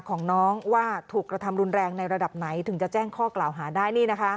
ของน้องว่าถูกกระทำรุนแรงในระดับไหนถึงจะแจ้งข้อกล่าวหาได้